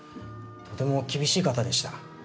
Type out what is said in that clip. とても厳しい方でした。